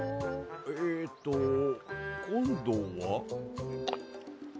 えっとこんどは？